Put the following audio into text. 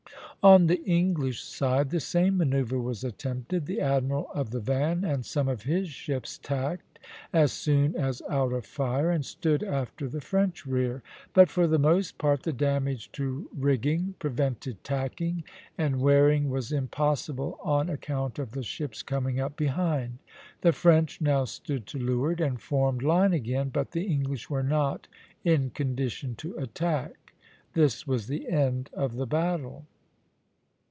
On the English side the same manoeuvre was attempted. The admiral of the van and some of his ships tacked, as soon as out of fire (D), and stood after the French rear; but for the most part the damage to rigging prevented tacking, and wearing was impossible on account of the ships coming up behind. The French now stood to leeward and formed line again, but the English were not in condition to attack. This was the end of the battle.